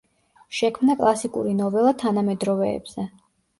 შექმნა კლასიკური ნოველა თანამედროვეებზე.